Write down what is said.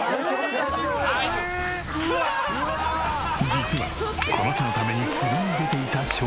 実はこの日のために釣りに出ていた照英。